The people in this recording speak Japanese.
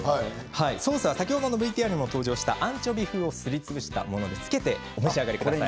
ソースはＶＴＲに登場したアンチョビ風をすりつぶしたものをつけてお召し上がりください。